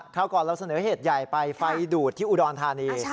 คราวก่อนเราเสนอเหตุใหญ่ไปไฟดูดที่อุดรธานี